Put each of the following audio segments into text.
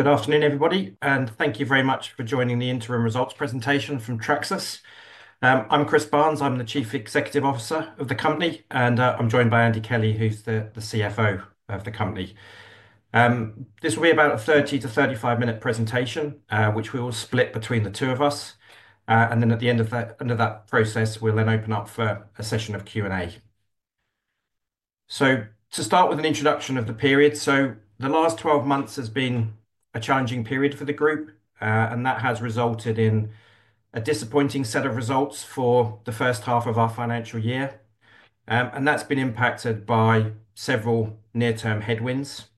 Good afternoon, everybody, and thank you very much for joining the interim results presentation from Tracsis. I'm Chris Barnes. I'm the Chief Executive Officer of the company, and I'm joined by Andy Kelly, who's the CFO of the company. This will be about a 30-35 minute presentation, which we will split between the two of us. At the end of that, under that process, we'll then open up for a session of Q&A. To start with an introduction of the period, the last 12 months has been a challenging period for the group, and that has resulted in a disappointing set of results for the first half of our financial year. That's been impacted by several near-term headwinds.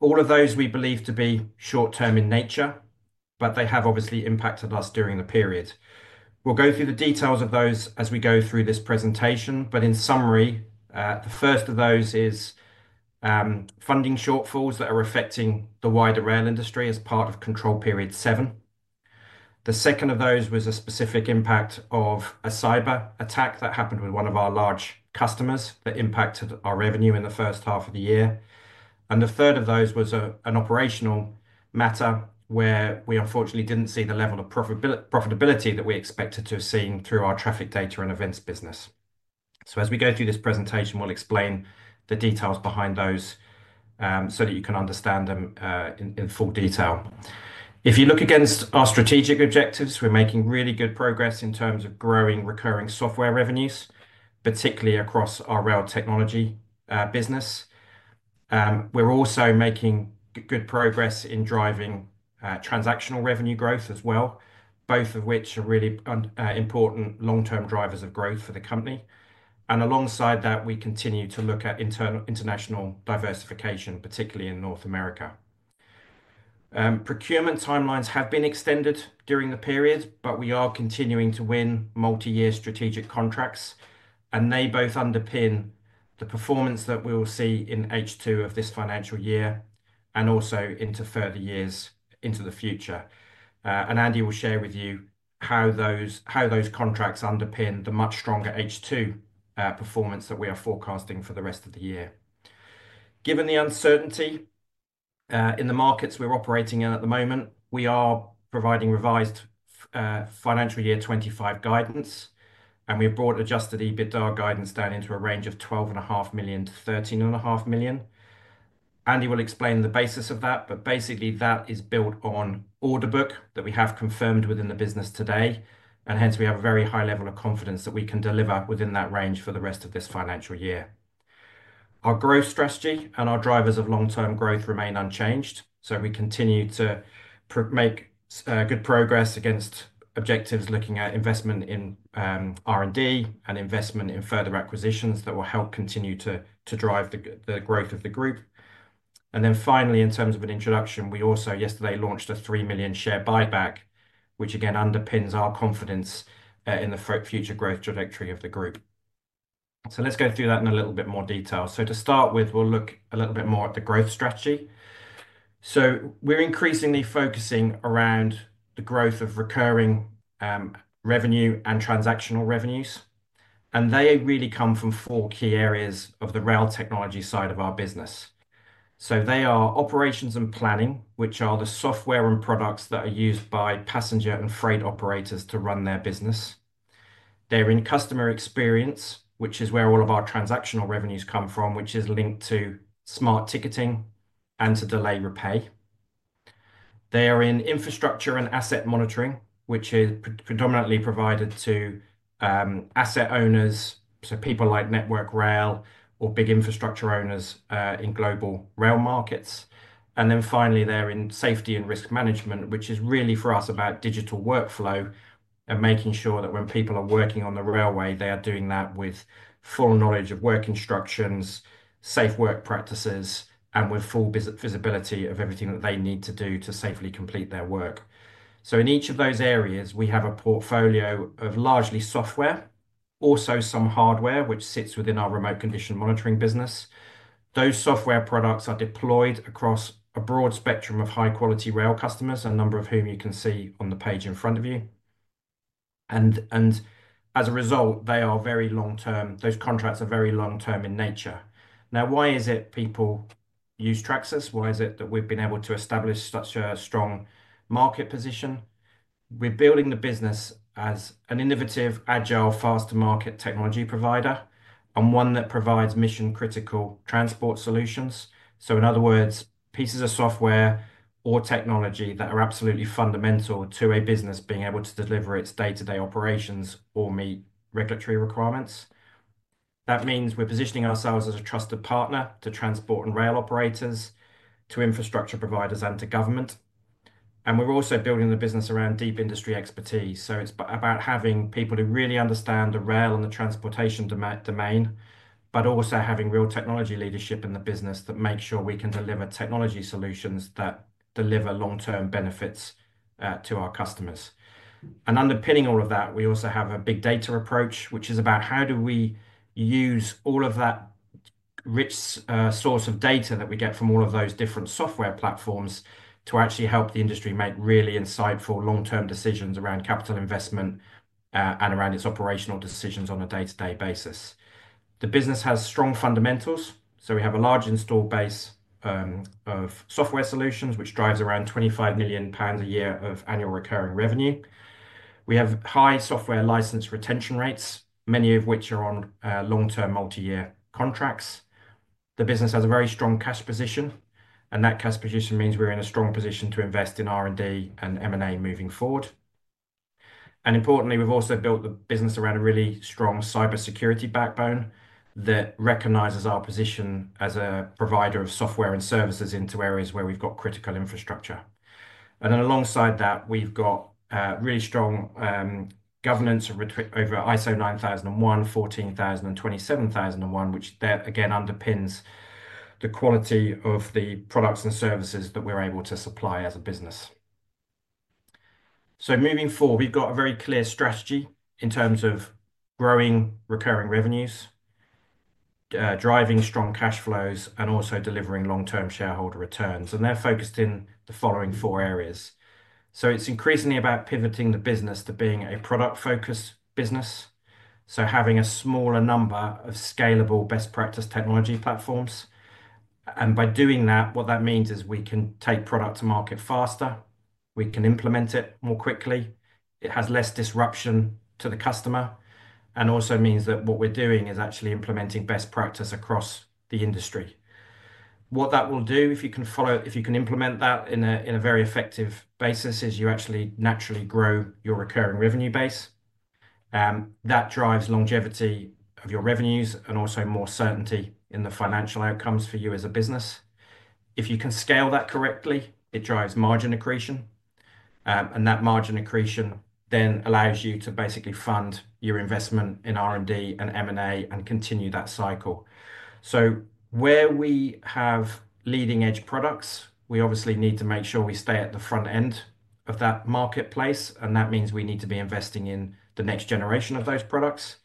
All of those we believe to be short-term in nature, but they have obviously impacted us during the period. We'll go through the details of those as we go through this presentation. In summary, the first of those is funding shortfalls that are affecting the wider rail industry as part of Control Period 7. The second of those was a specific impact of a cyber attack that happened with one of our large customers that impacted our revenue in the first half of the year. The third of those was an operational matter where we unfortunately didn't see the level of profitability that we expected to have seen through our traffic data and events business. As we go through this presentation, we'll explain the details behind those so that you can understand them in full detail. If you look against our strategic objectives, we're making really good progress in terms of growing recurring software revenues, particularly across our rail technology business. We're also making good progress in driving transactional revenue growth as well, both of which are really important long-term drivers of growth for the company. Alongside that, we continue to look at international diversification, particularly in North America. Procurement timelines have been extended during the period, but we are continuing to win multi-year strategic contracts, and they both underpin the performance that we will see in H2 of this financial year and also into further years into the future. Andy will share with you how those contracts underpin the much stronger H2 performance that we are forecasting for the rest of the year. Given the uncertainty in the markets we're operating in at the moment, we are providing revised financial year 2025 guidance, and we have brought adjusted EBITDA guidance down into a range of 12.5 million-13.5 million. Andy will explain the basis of that, but basically that is built on order book that we have confirmed within the business today, and hence we have a very high level of confidence that we can deliver within that range for the rest of this financial year. Our growth strategy and our drivers of long-term growth remain unchanged, so we continue to make good progress against objectives looking at investment in R&D and investment in further acquisitions that will help continue to drive the growth of the group. Finally, in terms of an introduction, we also yesterday launched a 3 million share buyback, which again underpins our confidence in the future growth trajectory of the group. Let's go through that in a little bit more detail. To start with, we'll look a little bit more at the growth strategy. We are increasingly focusing around the growth of recurring revenue and transactional revenues, and they really come from four key areas of the rail technology side of our business. They are operations and planning, which are the software and products that are used by passenger and freight operators to run their business. They are in customer experience, which is where all of our transactional revenues come from, which is linked to smart ticketing and to Delay Repay. They are in infrastructure and asset monitoring, which is predominantly provided to asset owners, so people like Network Rail or big infrastructure owners in global rail markets. Finally, in safety and risk management, which is really for us about digital workflow and making sure that when people are working on the railway, they are doing that with full knowledge of work instructions, safe work practices, and with full visibility of everything that they need to do to safely complete their work. In each of those areas, we have a portfolio of largely software, also some hardware, which sits within our remote condition monitoring business. Those software products are deployed across a broad spectrum of high-quality rail customers, a number of whom you can see on the page in front of you. As a result, they are very long-term. Those contracts are very long-term in nature. Now, why is it people use Tracsis? Why is it that we have been able to establish such a strong market position? We're building the business as an innovative, agile, fast-to-market technology provider and one that provides mission-critical transport solutions. In other words, pieces of software or technology that are absolutely fundamental to a business being able to deliver its day-to-day operations or meet regulatory requirements. That means we're positioning ourselves as a trusted partner to transport and rail operators, to infrastructure providers, and to government. We're also building the business around deep industry expertise. It's about having people who really understand the rail and the transportation domain, but also having real technology leadership in the business that make sure we can deliver technology solutions that deliver long-term benefits to our customers. Underpinning all of that, we also have a big data approach, which is about how do we use all of that rich source of data that we get from all of those different software platforms to actually help the industry make really insightful long-term decisions around capital investment and around its operational decisions on a day-to-day basis. The business has strong fundamentals. We have a large install base of software solutions, which drives around 25 million pounds a year of annual recurring revenue. We have high software license retention rates, many of which are on long-term multi-year contracts. The business has a very strong cash position, and that cash position means we're in a strong position to invest in R&D and M&A moving forward. Importantly, we've also built the business around a really strong cybersecurity backbone that recognizes our position as a provider of software and services into areas where we've got critical infrastructure. Alongside that, we've got really strong governance over ISO 9001, 14000, and 27001, which again underpins the quality of the products and services that we're able to supply as a business. Moving forward, we've got a very clear strategy in terms of growing recurring revenues, driving strong cash flows, and also delivering long-term shareholder returns. They're focused in the following four areas. It's increasingly about pivoting the business to being a product-focused business, so having a smaller number of scalable best practice technology platforms. By doing that, what that means is we can take product to market faster, we can implement it more quickly, it has less disruption to the customer, and also means that what we're doing is actually implementing best practice across the industry. What that will do, if you can follow, if you can implement that in a very effective basis, is you actually naturally grow your recurring revenue base. That drives longevity of your revenues and also more certainty in the financial outcomes for you as a business. If you can scale that correctly, it drives margin accretion, and that margin accretion then allows you to basically fund your investment in R&D and M&A and continue that cycle. Where we have leading-edge products, we obviously need to make sure we stay at the front end of that marketplace, and that means we need to be investing in the next generation of those products.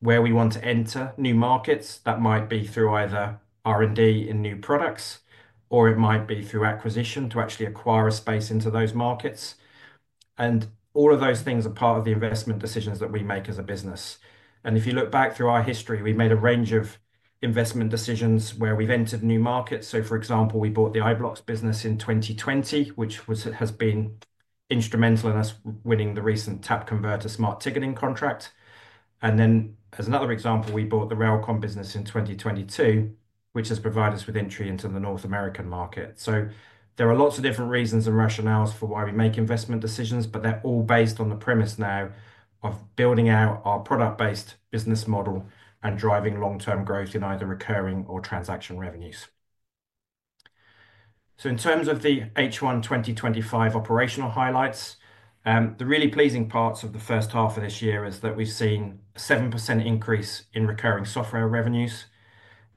Where we want to enter new markets, that might be through either R&D in new products or it might be through acquisition to actually acquire a space into those markets. All of those things are part of the investment decisions that we make as a business. If you look back through our history, we have made a range of investment decisions where we have entered new markets. For example, we bought the iBlocks business in 2020, which has been instrumental in us winning the recent Tap Converter smart ticketing contract. As another example, we bought the RailComm business in 2022, which has provided us with entry into the North American market. There are lots of different reasons and rationales for why we make investment decisions, but they're all based on the premise now of building out our product-based business model and driving long-term growth in either recurring or transaction revenues. In terms of the H1 2025 operational highlights, the really pleasing parts of the first half of this year is that we've seen a 7% increase in recurring software revenues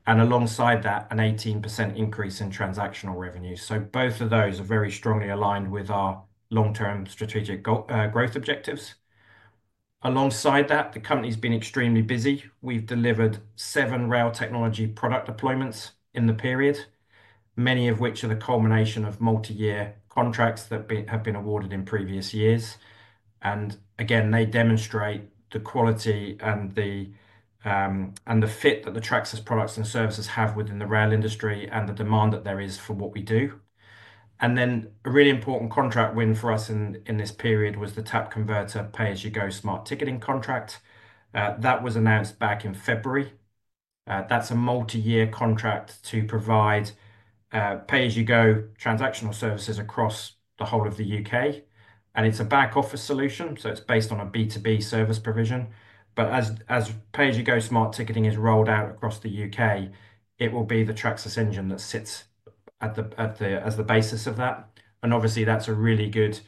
and alongside that, an 18% increase in transactional revenues. Both of those are very strongly aligned with our long-term strategic growth objectives. Alongside that, the company's been extremely busy. We've delivered seven rail technology product deployments in the period, many of which are the culmination of multi-year contracts that have been awarded in previous years. They demonstrate the quality and the fit that the Tracsis products and services have within the rail industry and the demand that there is for what we do. A really important contract win for us in this period was the Tap Converter pay-as-you-go smart ticketing contract. That was announced back in February. That is a multi-year contract to provide pay-as-you-go transactional services across the whole of the U.K. It is a back-office solution, so it is based on a B2B service provision. As pay-as-you-go smart ticketing is rolled out across the U.K., it will be the Tracsis engine that sits at the basis of that. Obviously, that is a really good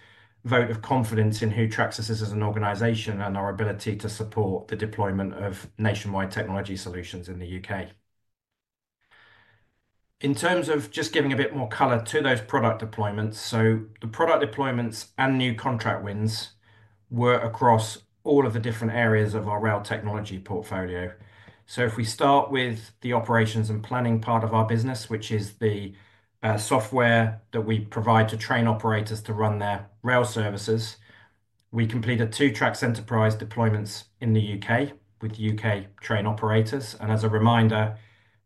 vote of confidence in who Tracsis is as an organization and our ability to support the deployment of nationwide technology solutions in the U.K. In terms of just giving a bit more color to those product deployments, the product deployments and new contract wins were across all of the different areas of our rail technology portfolio. If we start with the operations and planning part of our business, which is the software that we provide to train operators to run their rail services, we completed two TRACS Enterprise deployments in the U.K. with U.K. train operators. As a reminder,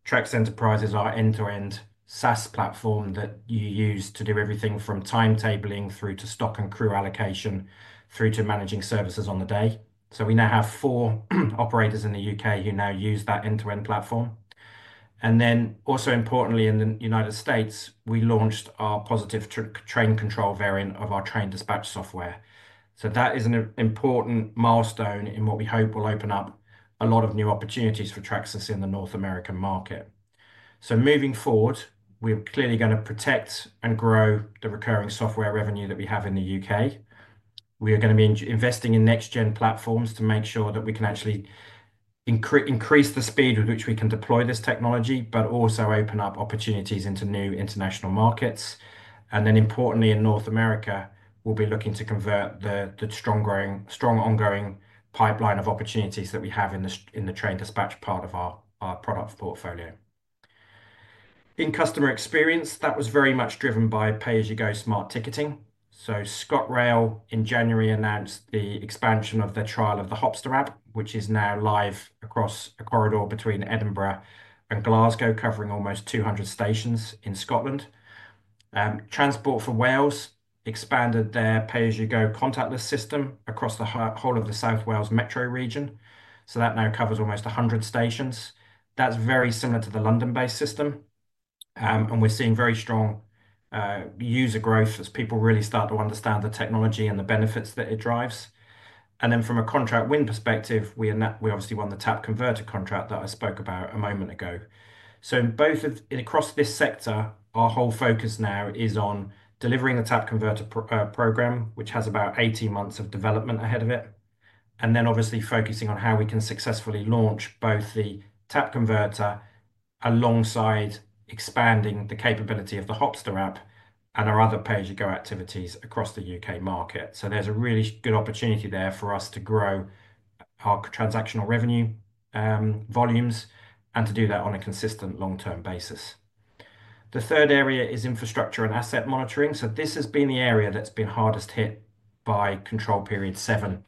TRACS Enterprise is our end-to-end SaaS platform that you use to do everything from timetabling through to stock and crew allocation through to managing services on the day. We now have four operators in the U.K. who now use that end-to-end platform. Also importantly, in the United States, we launched our positive train control variant of our train dispatch software. That is an important milestone in what we hope will open up a lot of new opportunities for Tracsis in the North American market. Moving forward, we're clearly going to protect and grow the recurring software revenue that we have in the U.K. We are going to be investing in next-gen platforms to make sure that we can actually increase the speed with which we can deploy this technology, but also open up opportunities into new international markets. Importantly, in North America, we'll be looking to convert the strong ongoing pipeline of opportunities that we have in the train dispatch part of our product portfolio. In customer experience, that was very much driven by pay-as-you-go smart ticketing. ScotRail in January announced the expansion of their trial of the Hopster app, which is now live across a corridor between Edinburgh and Glasgow, covering almost 200 stations in Scotland. Transport for Wales expanded their pay-as-you-go contactless system across the whole of the South Wales metro region. That now covers almost 100 stations. That is very similar to the London-based system. We are seeing very strong user growth as people really start to understand the technology and the benefits that it drives. From a contract win perspective, we obviously won the Tap Converter contract that I spoke about a moment ago. Across this sector, our whole focus now is on delivering the Tap Converter program, which has about 18 months of development ahead of it. Obviously focusing on how we can successfully launch both the Tap Converter alongside expanding the capability of the Hopster app and our other pay-as-you-go activities across the U.K. market. There is a really good opportunity there for us to grow our transactional revenue volumes and to do that on a consistent long-term basis. The third area is infrastructure and asset monitoring. This has been the area that has been hardest hit by Control Period 7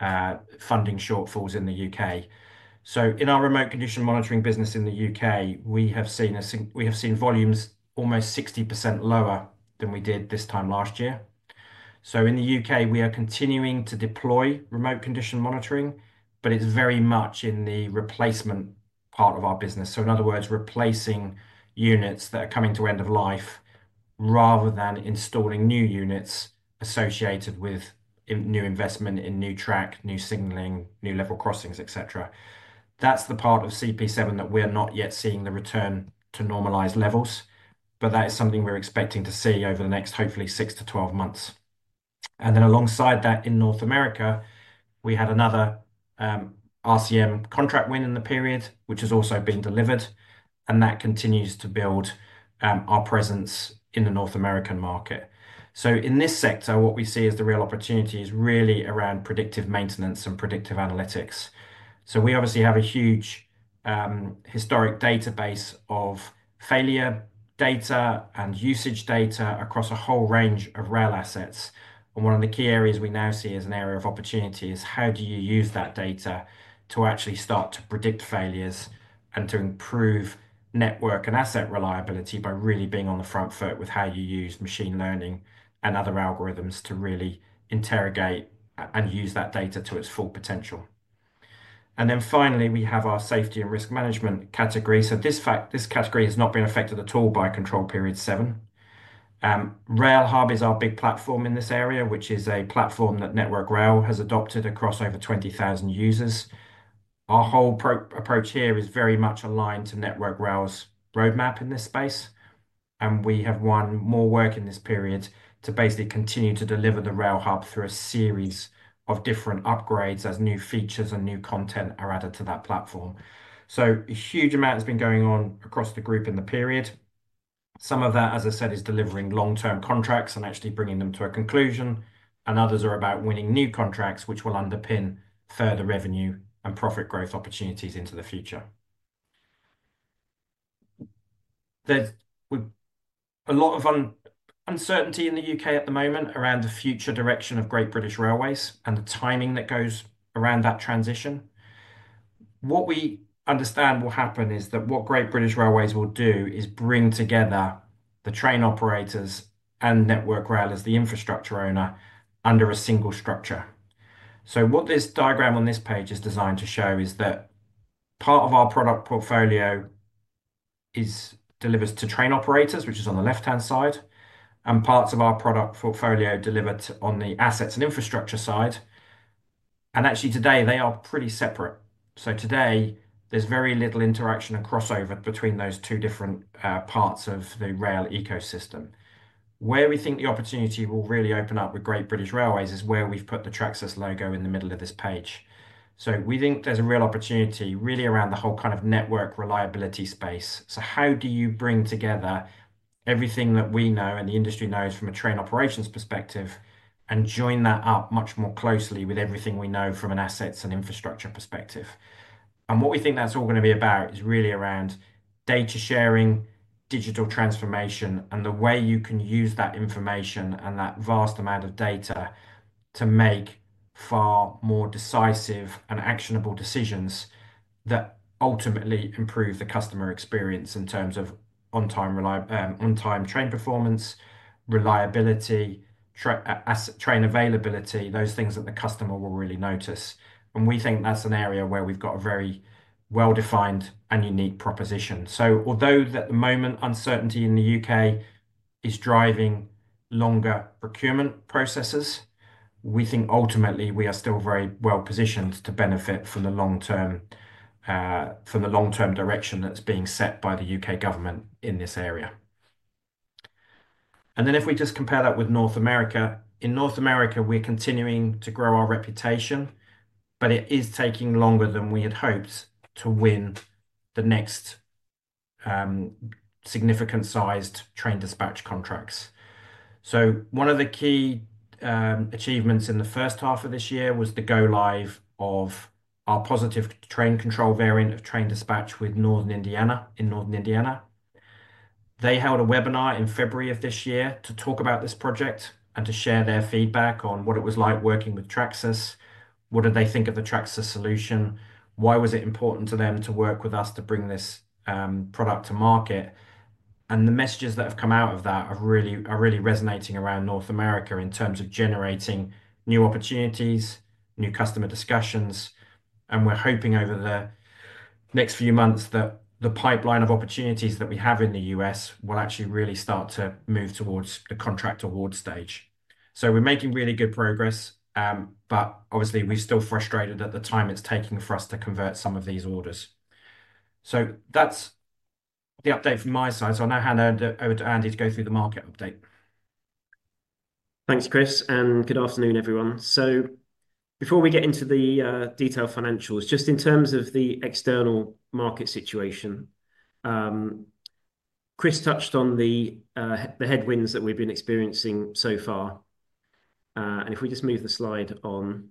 funding shortfalls in the U.K. In our remote condition monitoring business in the U.K., we have seen volumes almost 60% lower than we did this time last year. In the U.K., we are continuing to deploy remote condition monitoring, but it is very much in the replacement part of our business. In other words, replacing units that are coming to end of life rather than installing new units associated with new investment in new track, new signaling, new level crossings, etc. That is the part of CP7 that we are not yet seeing the return to normalized levels, but that is something we are expecting to see over the next hopefully 6-12 months. Alongside that, in North America, we had another RCM contract win in the period, which has also been delivered, and that continues to build our presence in the North American market. In this sector, what we see as the real opportunity is really around predictive maintenance and predictive analytics. We obviously have a huge historic database of failure data and usage data across a whole range of rail assets. One of the key areas we now see as an area of opportunity is how do you use that data to actually start to predict failures and to improve network and asset reliability by really being on the front foot with how you use machine learning and other algorithms to really interrogate and use that data to its full potential. Finally, we have our safety and risk management category. This category has not been affected at all by control period seven. RailHub is our big platform in this area, which is a platform that Network Rail has adopted across over 20,000 users. Our whole approach here is very much aligned to Network Rail's roadmap in this space. We have won more work in this period to basically continue to deliver the RailHub through a series of different upgrades as new features and new content are added to that platform. A huge amount has been going on across the group in the period. Some of that, as I said, is delivering long-term contracts and actually bringing them to a conclusion. Others are about winning new contracts, which will underpin further revenue and profit growth opportunities into the future. There is a lot of uncertainty in the U.K. at the moment around the future direction of Great British Railways and the timing that goes around that transition. What we understand will happen is that what Great British Railways will do is bring together the train operators and Network Rail as the infrastructure owner under a single structure. What this diagram on this page is designed to show is that part of our product portfolio is delivered to train operators, which is on the left-hand side, and parts of our product portfolio are delivered on the assets and infrastructure side. Actually, today, they are pretty separate. Today, there is very little interaction and crossover between those two different parts of the rail ecosystem. Where we think the opportunity will really open up with Great British Railways is where we have put the Tracsis logo in the middle of this page. We think there is a real opportunity really around the whole kind of network reliability space. How do you bring together everything that we know and the industry knows from a train operations perspective and join that up much more closely with everything we know from an assets and infrastructure perspective? What we think that's all going to be about is really around data sharing, digital transformation, and the way you can use that information and that vast amount of data to make far more decisive and actionable decisions that ultimately improve the customer experience in terms of on-time train performance, reliability, train availability, those things that the customer will really notice. We think that's an area where we've got a very well-defined and unique proposition. Although at the moment uncertainty in the U.K. is driving longer procurement processes, we think ultimately we are still very well positioned to benefit from the long-term direction that's being set by the U.K. government in this area. If we just compare that with North America, in North America, we're continuing to grow our reputation, but it is taking longer than we had hoped to win the next significant-sized train dispatch contracts. One of the key achievements in the first half of this year was the go-live of our positive train control variant of train dispatch with Northern Indiana in Northern Indiana. They held a webinar in February of this year to talk about this project and to share their feedback on what it was like working with Tracsis. What did they think of the Tracsis solution? Why was it important to them to work with us to bring this product to market? The messages that have come out of that are really resonating around North America in terms of generating new opportunities, new customer discussions. We are hoping over the next few months that the pipeline of opportunities that we have in the U.S. will actually really start to move towards the contract award stage. We are making really good progress, but obviously we are still frustrated at the time it is taking for us to convert some of these orders. That is the update from my side. I will now hand over to Andy to go through the market update. Thanks, Chris. Good afternoon, everyone. Before we get into the detailed financials, just in terms of the external market situation, Chris touched on the headwinds that we have been experiencing so far. If we just move the slide on,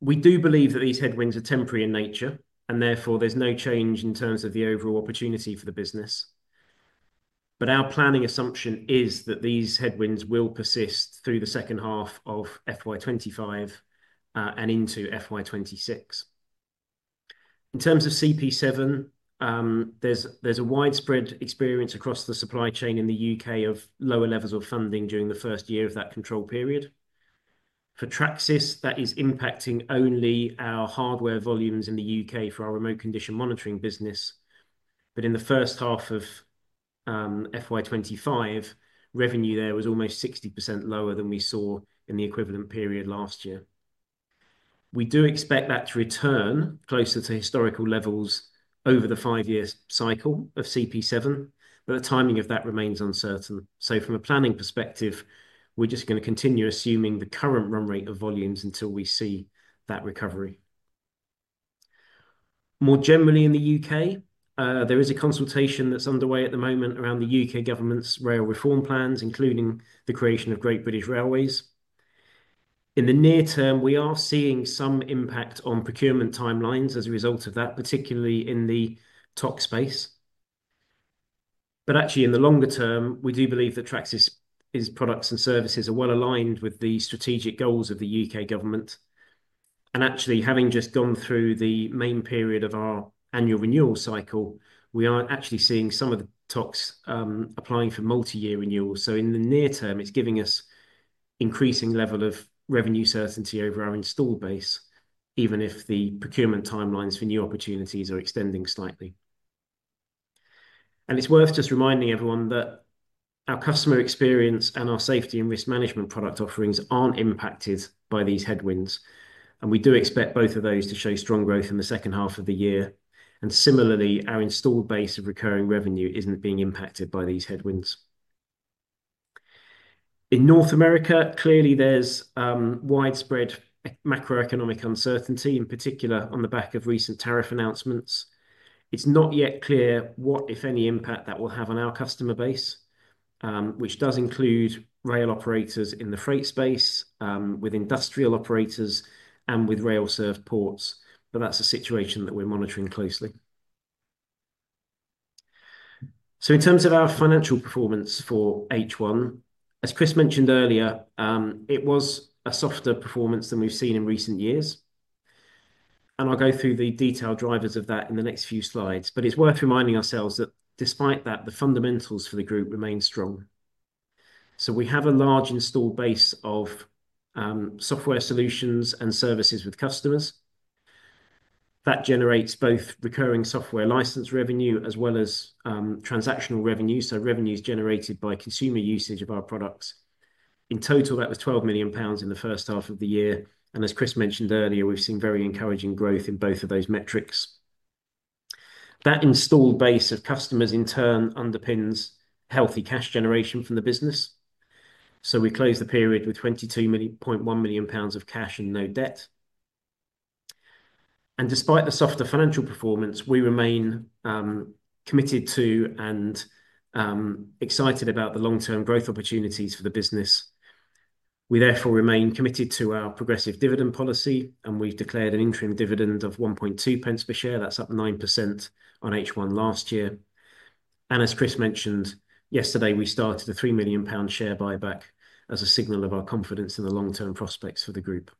we do believe that these headwinds are temporary in nature and therefore there is no change in terms of the overall opportunity for the business. Our planning assumption is that these headwinds will persist through the second half of FY25 and into FY26. In terms of CP7, there is a widespread experience across the supply chain in the U.K. of lower levels of funding during the first year of that control period. For Tracsis, that is impacting only our hardware volumes in the U.K. for our remote condition monitoring business. In the first half of FY25, revenue there was almost 60% lower than we saw in the equivalent period last year. We do expect that to return closer to historical levels over the five-year cycle of CP7, but the timing of that remains uncertain. From a planning perspective, we are just going to continue assuming the current run rate of volumes until we see that recovery. More generally in the U.K., there is a consultation that's underway at the moment around the U.K. government's rail reform plans, including the creation of Great British Railways. In the near term, we are seeing some impact on procurement timelines as a result of that, particularly in the TOC space. Actually, in the longer term, we do believe that Tracsis's products and services are well aligned with the strategic goals of the U.K. government. Actually, having just gone through the main period of our annual renewal cycle, we are actually seeing some of the TOCs applying for multi-year renewals. In the near term, it's giving us an increasing level of revenue certainty over our installed base, even if the procurement timelines for new opportunities are extending slightly. It is worth just reminding everyone that our customer experience and our safety and risk management product offerings are not impacted by these headwinds. We do expect both of those to show strong growth in the second half of the year. Similarly, our installed base of recurring revenue is not being impacted by these headwinds. In North America, clearly there is widespread macroeconomic uncertainty, in particular on the back of recent tariff announcements. It is not yet clear what, if any, impact that will have on our customer base, which does include rail operators in the freight space, with industrial operators, and with rail-served ports. That is a situation that we are monitoring closely. In terms of our financial performance for H1, as Chris mentioned earlier, it was a softer performance than we have seen in recent years. I will go through the detailed drivers of that in the next few slides. It is worth reminding ourselves that despite that, the fundamentals for the group remain strong. We have a large installed base of software solutions and services with customers. That generates both recurring software license revenue as well as transactional revenue, so revenues generated by consumer usage of our products. In total, that was 12 million pounds in the first half of the year. As Chris mentioned earlier, we have seen very encouraging growth in both of those metrics. That installed base of customers, in turn, underpins healthy cash generation from the business. We closed the period with 22.1 million pounds of cash and no debt. Despite the softer financial performance, we remain committed to and excited about the long-term growth opportunities for the business. We therefore remain committed to our progressive dividend policy, and we have declared an interim dividend of 1.2 per share. That's up 9% on H1 last year. As Chris mentioned yesterday, we started a 3 million pound share buyback as a signal of our confidence in the long-term prospects for the group.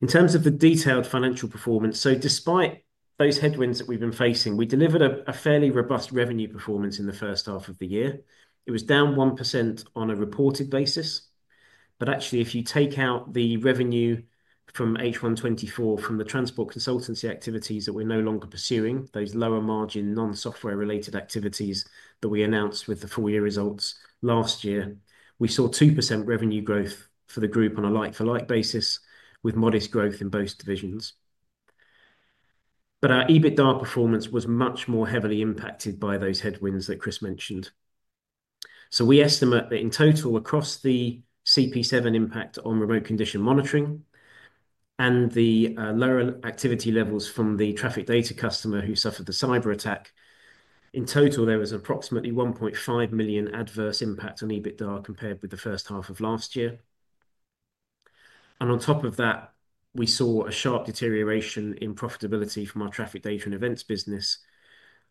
In terms of the detailed financial performance, despite those headwinds that we've been facing, we delivered a fairly robust revenue performance in the first half of the year. It was down 1% on a reported basis. Actually, if you take out the revenue from H1 2024 from the transport consultancy activities that we're no longer pursuing, those lower margin non-software related activities that we announced with the full year results last year, we saw 2% revenue growth for the group on a like-for-like basis with modest growth in both divisions. Our EBITDA performance was much more heavily impacted by those headwinds that Chris mentioned. We estimate that in total, across the CP7 impact on remote condition monitoring and the lower activity levels from the traffic data customer who suffered the cyber attack, in total, there was approximately 1.5 million adverse impact on EBITDA compared with the first half of last year. On top of that, we saw a sharp deterioration in profitability from our traffic data and events business,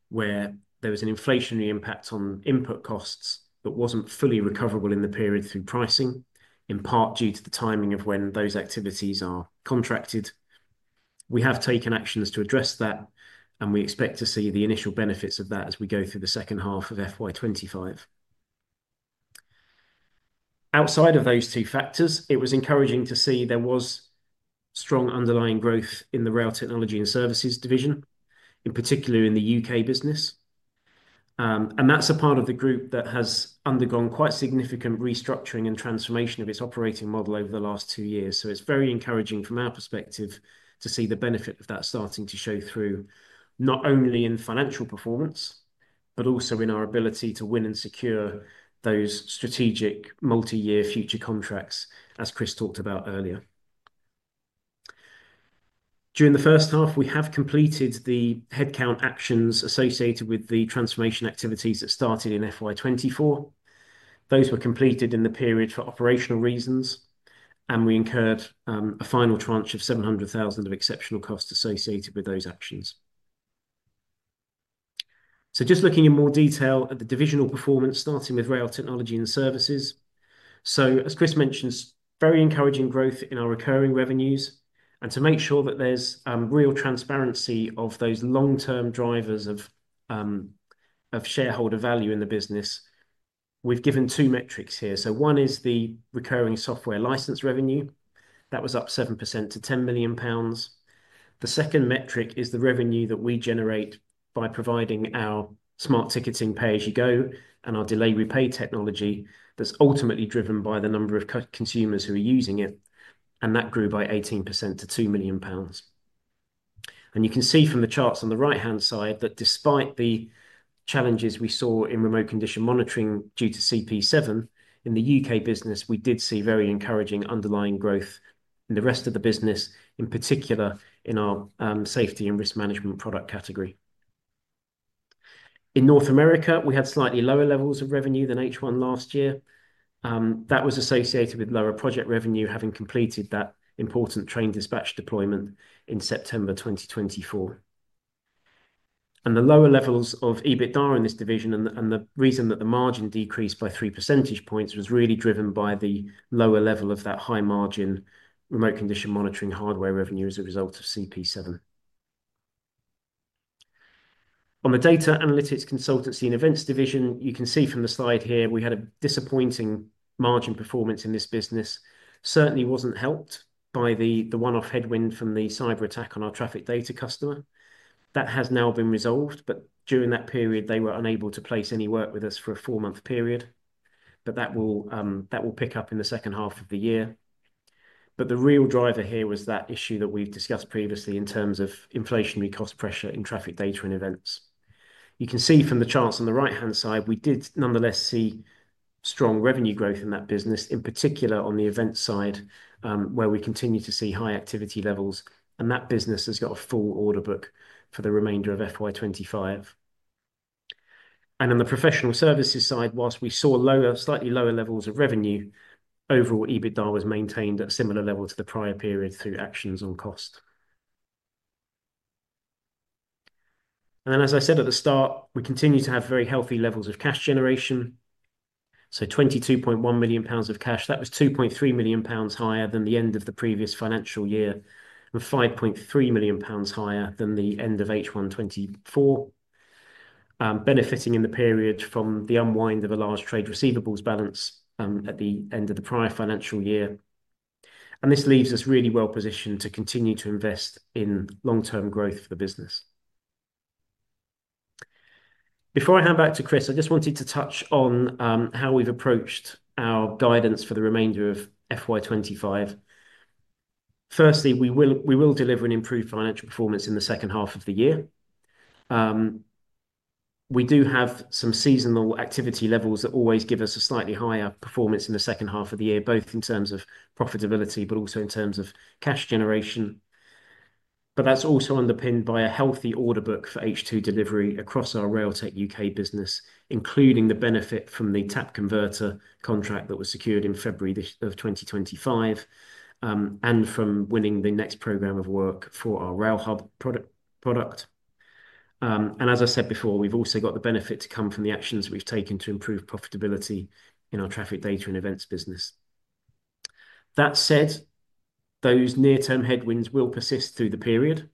where there was an inflationary impact on input costs that was not fully recoverable in the period through pricing, in part due to the timing of when those activities are contracted. We have taken actions to address that, and we expect to see the initial benefits of that as we go through the second half of FY25. Outside of those two factors, it was encouraging to see there was strong underlying growth in the rail technology and services division, in particular in the U.K. business. That is a part of the group that has undergone quite significant restructuring and transformation of its operating model over the last two years. It is very encouraging from our perspective to see the benefit of that starting to show through not only in financial performance, but also in our ability to win and secure those strategic multi-year future contracts, as Chris talked about earlier. During the first half, we have completed the headcount actions associated with the transformation activities that started in 2024. Those were completed in the period for operational reasons, and we incurred a final tranche of 700,000 of exceptional costs associated with those actions. Just looking in more detail at the divisional performance, starting with rail technology and services. As Chris mentioned, very encouraging growth in our recurring revenues. To make sure that there's real transparency of those long-term drivers of shareholder value in the business, we've given two metrics here. One is the recurring software license revenue. That was up 7% to 10 million pounds. The second metric is the revenue that we generate by providing our smart ticketing pay-as-you-go and our Delay Repay technology that's ultimately driven by the number of consumers who are using it. That grew by 18% to 2 million pounds. You can see from the charts on the right-hand side that despite the challenges we saw in remote condition monitoring due to CP7, in the U.K. business, we did see very encouraging underlying growth in the rest of the business, in particular in our safety and risk management product category. In North America, we had slightly lower levels of revenue than H1 last year. That was associated with lower project revenue having completed that important train dispatch deployment in September 2024. The lower levels of EBITDA in this division and the reason that the margin decreased by three percentage points was really driven by the lower level of that high margin remote condition monitoring hardware revenue as a result of CP7. On the data analytics consultancy and events division, you can see from the slide here, we had a disappointing margin performance in this business. Certainly was not helped by the one-off headwind from the cyber attack on our traffic data customer. That has now been resolved, but during that period, they were unable to place any work with us for a four-month period. That will pick up in the second half of the year. The real driver here was that issue that we have discussed previously in terms of inflationary cost pressure in traffic data and events. You can see from the charts on the right-hand side, we did nonetheless see strong revenue growth in that business, in particular on the events side, where we continue to see high activity levels. That business has got a full order book for the remainder of FY25. On the professional services side, whilst we saw slightly lower levels of revenue, overall EBITDA was maintained at a similar level to the prior period through actions on cost. As I said at the start, we continue to have very healthy levels of cash generation. 22.1 million pounds of cash, that was 2.3 million pounds higher than the end of the previous financial year and 5.3 million pounds higher than the end of H1 2024, benefiting in the period from the unwind of a large trade receivables balance at the end of the prior financial year. This leaves us really well positioned to continue to invest in long-term growth for the business. Before I hand back to Chris, I just wanted to touch on how we've approached our guidance for the remainder of FY 2025. Firstly, we will deliver an improved financial performance in the second half of the year. We do have some seasonal activity levels that always give us a slightly higher performance in the second half of the year, both in terms of profitability, but also in terms of cash generation. That is also underpinned by a healthy order book for H2 delivery across our Railtech UK business, including the benefit from the Tap Converter contract that was secured in February of 2025 and from winning the next program of work for our RailHub product. As I said before, we have also got the benefit to come from the actions we have taken to improve profitability in our traffic data and events business. That said, those near-term headwinds will persist through the period.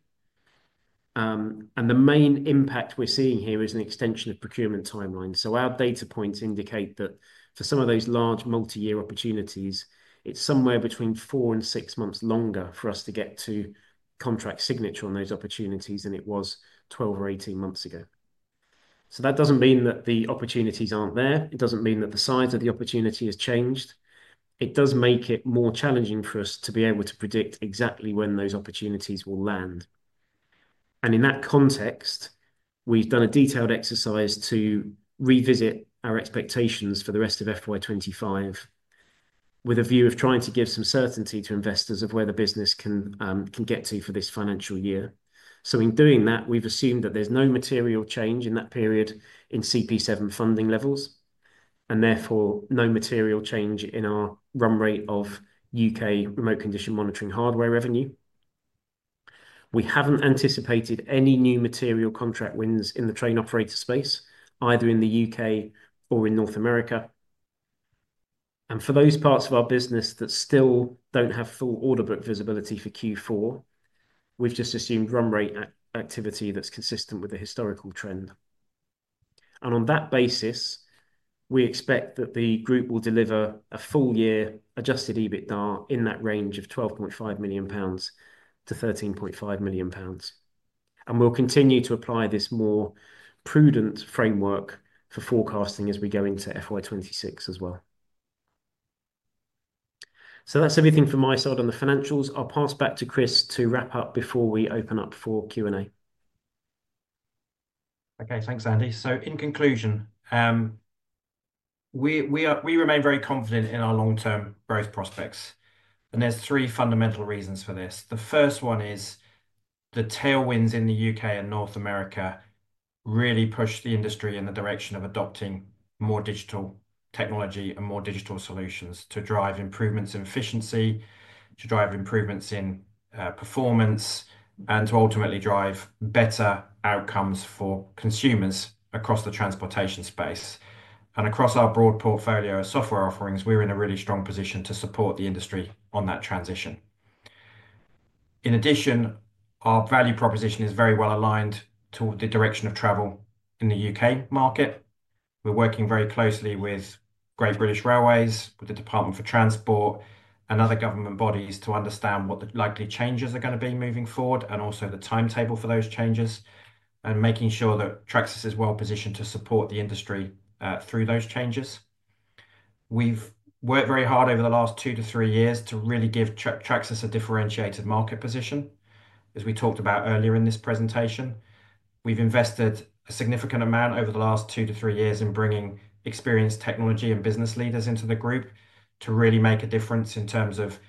The main impact we are seeing here is an extension of procurement timelines. Our data points indicate that for some of those large multi-year opportunities, it is somewhere between four and six months longer for us to get to contract signature on those opportunities than it was 12 or 18 months ago. That does not mean that the opportunities are not there. It does not mean that the size of the opportunity has changed. It does make it more challenging for us to be able to predict exactly when those opportunities will land. In that context, we have done a detailed exercise to revisit our expectations for the rest of FY25 with a view of trying to give some certainty to investors of where the business can get to for this financial year. In doing that, we've assumed that there's no material change in that period in CP7 funding levels and therefore no material change in our run rate of U.K. remote condition monitoring hardware revenue. We haven't anticipated any new material contract wins in the train operator space, either in the U.K. or in North America. For those parts of our business that still don't have full order book visibility for Q4, we've just assumed run rate activity that's consistent with the historical trend. On that basis, we expect that the group will deliver a full year adjusted EBITDA in that range of 12.5 million-13.5 million pounds. We'll continue to apply this more prudent framework for forecasting as we go into FY26 as well. That's everything from my side on the financials. I'll pass back to Chris to wrap up before we open up for Q&A. Okay, thanks, Andy. In conclusion, we remain very confident in our long-term growth prospects. There are three fundamental reasons for this. The first one is the tailwinds in the U.K. and North America really push the industry in the direction of adopting more digital technology and more digital solutions to drive improvements in efficiency, to drive improvements in performance, and to ultimately drive better outcomes for consumers across the transportation space. Across our broad portfolio of software offerings, we are in a really strong position to support the industry on that transition. In addition, our value proposition is very well aligned to the direction of travel in the U.K. market. We're working very closely with Great British Railways, with the Department for Transport, and other government bodies to understand what the likely changes are going to be moving forward and also the timetable for those changes and making sure that Tracsis is well positioned to support the industry through those changes. We've worked very hard over the last two to three years to really give Tracsis a differentiated market position. As we talked about earlier in this presentation, we've invested a significant amount over the last two to three years in bringing experienced technology and business leaders into the group to really make a difference in terms of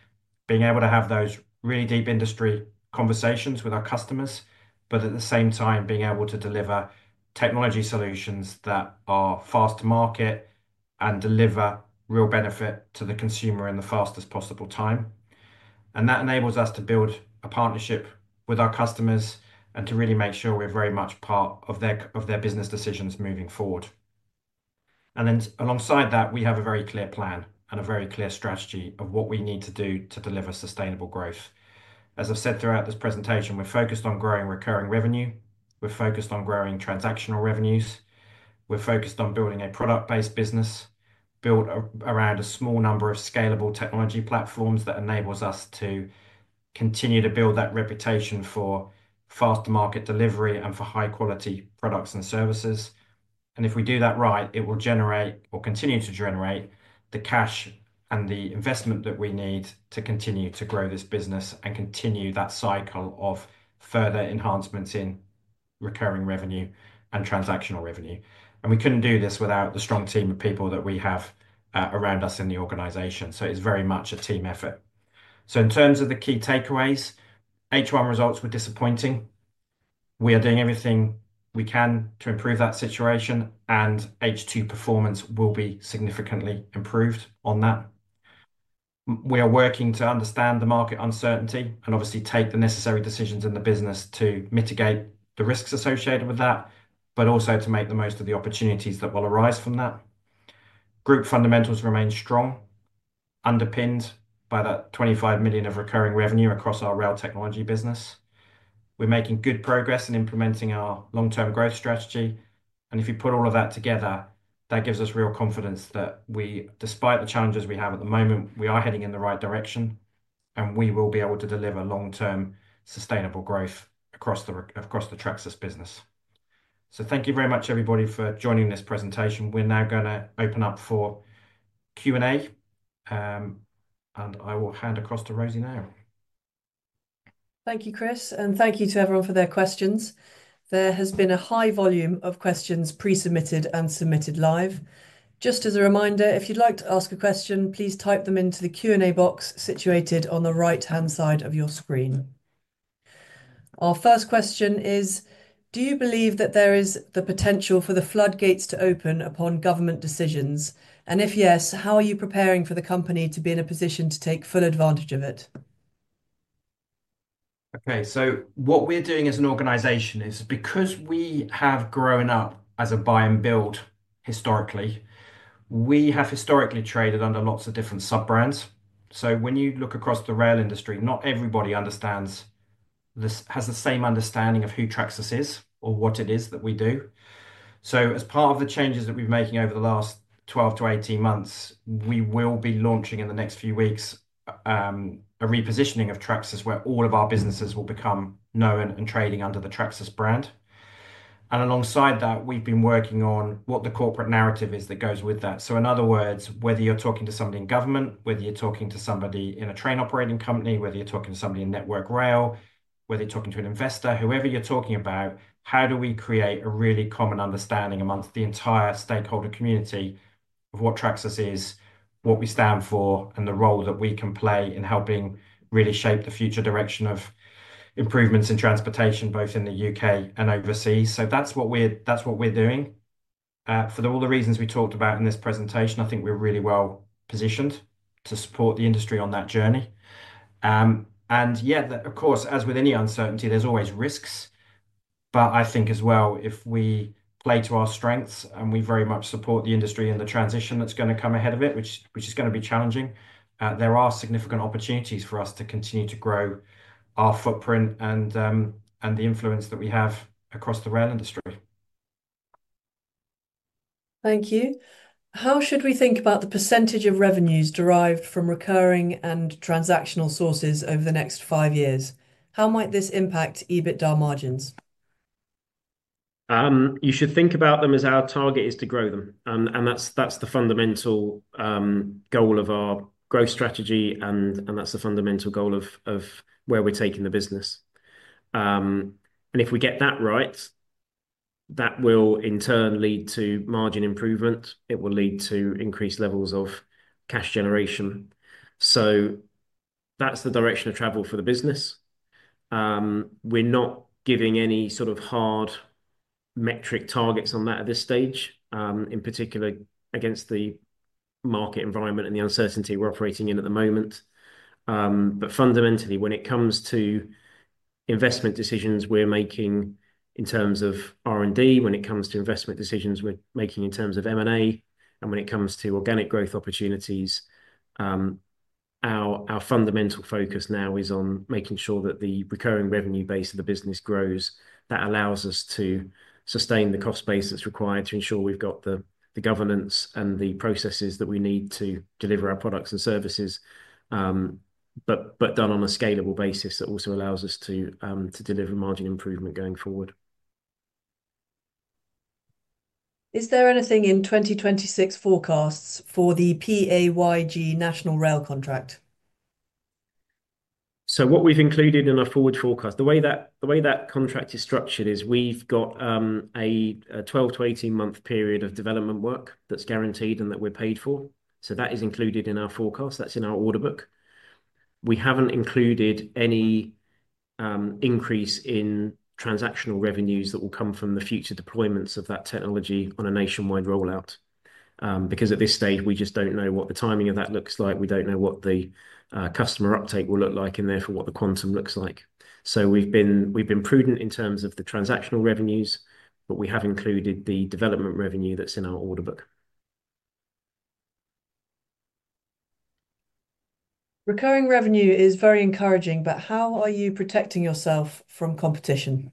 being able to have those really deep industry conversations with our customers, but at the same time, being able to deliver technology solutions that are fast to market and deliver real benefit to the consumer in the fastest possible time. That enables us to build a partnership with our customers and to really make sure we are very much part of their business decisions moving forward. Alongside that, we have a very clear plan and a very clear strategy of what we need to do to deliver sustainable growth. As I have said throughout this presentation, we are focused on growing recurring revenue. We are focused on growing transactional revenues. We are focused on building a product-based business built around a small number of scalable technology platforms that enables us to continue to build that reputation for fast market delivery and for high-quality products and services. If we do that right, it will generate or continue to generate the cash and the investment that we need to continue to grow this business and continue that cycle of further enhancements in recurring revenue and transactional revenue. We could not do this without the strong team of people that we have around us in the organization. It is very much a team effort. In terms of the key takeaways, H1 results were disappointing. We are doing everything we can to improve that situation, and H2 performance will be significantly improved on that. We are working to understand the market uncertainty and obviously take the necessary decisions in the business to mitigate the risks associated with that, but also to make the most of the opportunities that will arise from that. Group fundamentals remain strong, underpinned by that 25 million of recurring revenue across our rail technology business. We are making good progress in implementing our long-term growth strategy. If you put all of that together, that gives us real confidence that we, despite the challenges we have at the moment, are heading in the right direction and we will be able to deliver long-term sustainable growth across the Tracsis business. Thank you very much, everybody, for joining this presentation. We are now going to open up for Q&A, and I will hand across to Rosie now. Thank you, Chris, and thank you to everyone for their questions. There has been a high volume of questions pre-submitted and submitted live. Just as a reminder, if you'd like to ask a question, please type them into the Q&A box situated on the right-hand side of your screen. Our first question is, do you believe that there is the potential for the floodgates to open upon government decisions? If yes, how are you preparing for the company to be in a position to take full advantage of it? Okay, what we're doing as an organization is because we have grown up as a buy and build historically, we have historically traded under lots of different sub-brands. When you look across the rail industry, not everybody has the same understanding of who Tracsis is or what it is that we do. As part of the changes that we've been making over the last 12 to 18 months, we will be launching in the next few weeks a repositioning of Tracsis where all of our businesses will become known and trading under the Tracsis brand. Alongside that, we've been working on what the corporate narrative is that goes with that. In other words, whether you're talking to somebody in government, whether you're talking to somebody in a train operating company, whether you're talking to somebody in Network Rail, whether you're talking to an investor, whoever you're talking about, how do we create a really common understanding amongst the entire stakeholder community of what Tracsis is, what we stand for, and the role that we can play in helping really shape the future direction of improvements in transportation, both in the U.K. and overseas. That's what we're doing. For all the reasons we talked about in this presentation, I think we're really well positioned to support the industry on that journey. Yeah, of course, as with any uncertainty, there's always risks. I think as well, if we play to our strengths and we very much support the industry and the transition that is going to come ahead of it, which is going to be challenging, there are significant opportunities for us to continue to grow our footprint and the influence that we have across the rail industry. Thank you. How should we think about the percentage of revenues derived from recurring and transactional sources over the next five years? How might this impact EBITDA margins? You should think about them as our target is to grow them. That is the fundamental goal of our growth strategy, and that is the fundamental goal of where we are taking the business. If we get that right, that will in turn lead to margin improvement. It will lead to increased levels of cash generation. That is the direction of travel for the business. We're not giving any sort of hard metric targets on that at this stage, in particular against the market environment and the uncertainty we're operating in at the moment. Fundamentally, when it comes to investment decisions we're making in terms of R&D, when it comes to investment decisions we're making in terms of M&A, and when it comes to organic growth opportunities, our fundamental focus now is on making sure that the recurring revenue base of the business grows. That allows us to sustain the cost base that's required to ensure we've got the governance and the processes that we need to deliver our products and services, but done on a scalable basis that also allows us to deliver margin improvement going forward. Is there anything in 2026 forecasts for the PAYG National Rail contract? What we've included in our forward forecast, the way that contract is structured is we've got a 12-18 month period of development work that's guaranteed and that we're paid for. That is included in our forecast. That's in our order book. We haven't included any increase in transactional revenues that will come from the future deployments of that technology on a nationwide rollout. At this stage, we just don't know what the timing of that looks like. We don't know what the customer uptake will look like and therefore what the quantum looks like. We've been prudent in terms of the transactional revenues, but we have included the development revenue that's in our order book. Recurring revenue is very encouraging, but how are you protecting yourself from competition?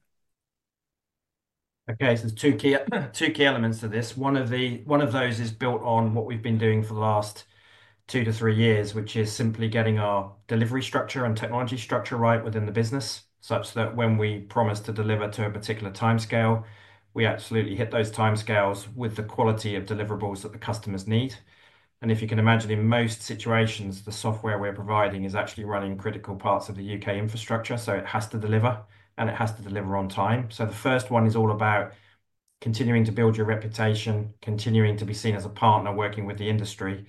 There are two key elements to this. One of those is built on what we've been doing for the last two to three years, which is simply getting our delivery structure and technology structure right within the business such that when we promise to deliver to a particular timescale, we absolutely hit those timescales with the quality of deliverables that the customers need. You can imagine, in most situations, the software we're providing is actually running critical parts of the U.K. infrastructure. It has to deliver, and it has to deliver on time. The first one is all about continuing to build your reputation, continuing to be seen as a partner working with the industry,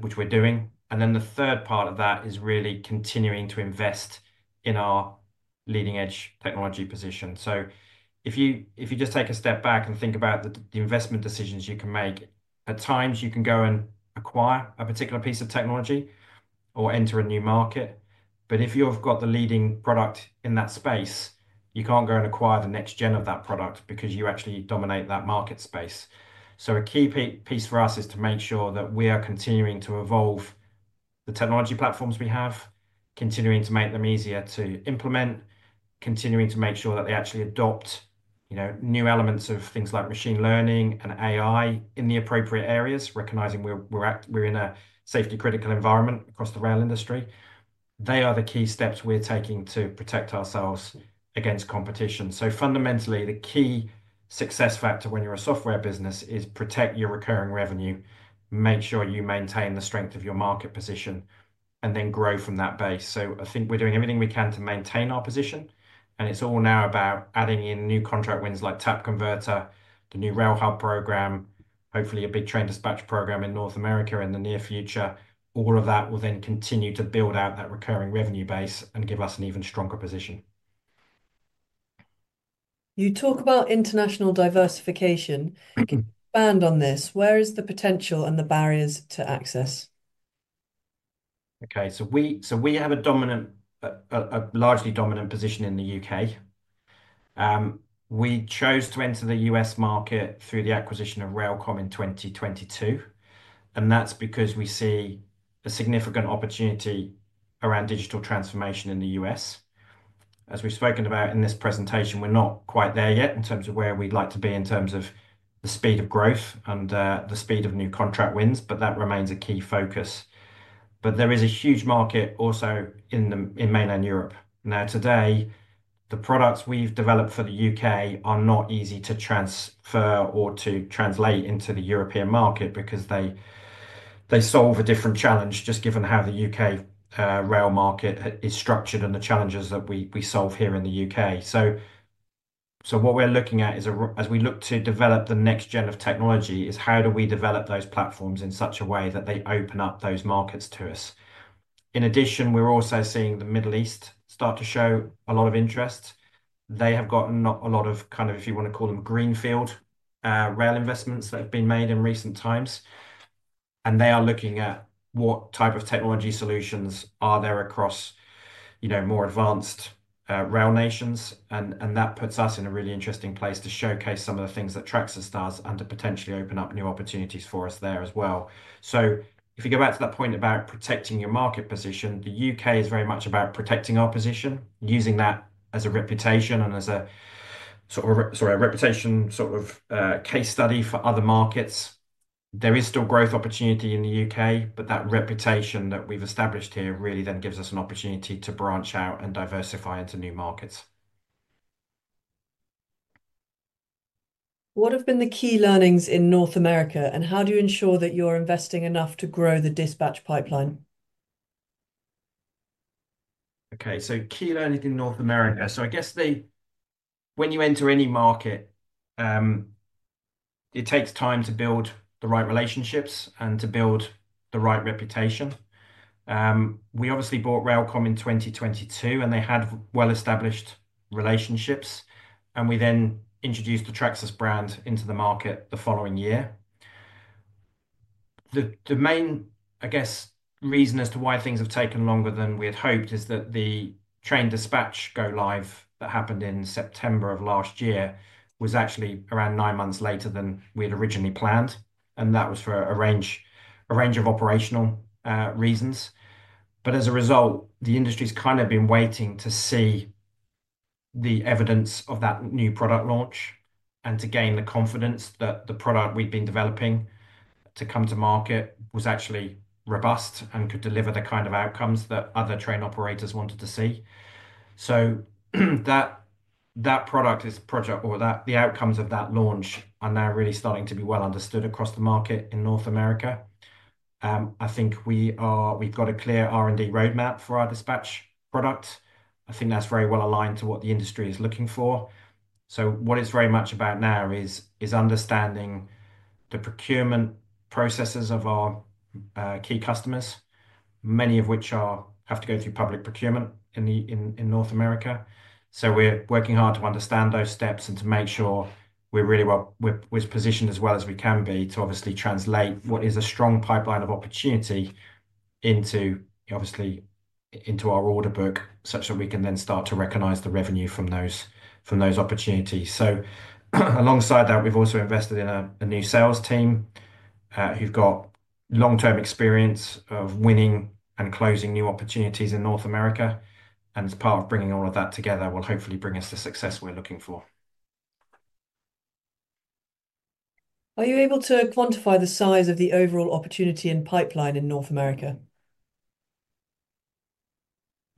which we're doing. The third part of that is really continuing to invest in our leading-edge technology position. If you just take a step back and think about the investment decisions you can make, at times you can go and acquire a particular piece of technology or enter a new market. If you've got the leading product in that space, you can't go and acquire the next gen of that product because you actually dominate that market space. A key piece for us is to make sure that we are continuing to evolve the technology platforms we have, continuing to make them easier to implement, continuing to make sure that they actually adopt new elements of things like machine learning and AI in the appropriate areas, recognizing we're in a safety-critical environment across the rail industry. They are the key steps we're taking to protect ourselves against competition. Fundamentally, the key success factor when you're a software business is protect your recurring revenue, make sure you maintain the strength of your market position, and then grow from that base. I think we're doing everything we can to maintain our position. It's all now about adding in new contract wins like Tap Converter, the new RailHub program, hopefully a big train dispatch program in North America in the near future. All of that will then continue to build out that recurring revenue base and give us an even stronger position. You talk about international diversification. Can you expand on this? Where is the potential and the barriers to access? Okay, we have a largely dominant position in the U.K. We chose to enter the U.S. market through the acquisition of RailComm in 2022. That is because we see a significant opportunity around digital transformation in the U.S. As we have spoken about in this presentation, we are not quite there yet in terms of where we would like to be in terms of the speed of growth and the speed of new contract wins, but that remains a key focus. There is a huge market also in mainland Europe. Now, today, the products we have developed for the U.K. are not easy to transfer or to translate into the European market because they solve a different challenge just given how the U.K. rail market is structured and the challenges that we solve here in the U.K. What we are looking at as we look to develop the next gen of technology is how do we develop those platforms in such a way that they open up those markets to us. In addition, we're also seeing the Middle East start to show a lot of interest. They have gotten a lot of, kind of, if you want to call them, greenfield rail investments that have been made in recent times. They are looking at what type of technology solutions are there across more advanced rail nations. That puts us in a really interesting place to showcase some of the things that Tracsis does and to potentially open up new opportunities for us there as well. If you go back to that point about protecting your market position, the U.K. is very much about protecting our position, using that as a reputation and as a sort of, sorry, a reputation sort of case study for other markets. There is still growth opportunity in the U.K., but that reputation that we've established here really then gives us an opportunity to branch out and diversify into new markets. What have been the key learnings in North America and how do you ensure that you're investing enough to grow the dispatch pipeline? Okay, key learnings in North America. I guess when you enter any market, it takes time to build the right relationships and to build the right reputation. We obviously bought RailComm in 2022, and they had well-established relationships. We then introduced the Tracsis brand into the market the following year. The main reason as to why things have taken longer than we had hoped is that the train dispatch go live that happened in September of last year was actually around nine months later than we had originally planned. That was for a range of operational reasons. As a result, the industry's kind of been waiting to see the evidence of that new product launch and to gain the confidence that the product we'd been developing to come to market was actually robust and could deliver the kind of outcomes that other train operators wanted to see. That product is project or the outcomes of that launch are now really starting to be well understood across the market in North America. I think we've got a clear R&D roadmap for our dispatch product. I think that's very well aligned to what the industry is looking for. What it's very much about now is understanding the procurement processes of our key customers, many of which have to go through public procurement in North America. We're working hard to understand those steps and to make sure we're positioned as well as we can be to obviously translate what is a strong pipeline of opportunity into our order book such that we can then start to recognize the revenue from those opportunities. Alongside that, we've also invested in a new sales team who've got long-term experience of winning and closing new opportunities in North America. As part of bringing all of that together, it will hopefully bring us the success we're looking for. Are you able to quantify the size of the overall opportunity and pipeline in North America?